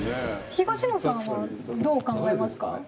東野さんはどう考えますか？